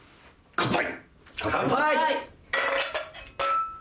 乾杯。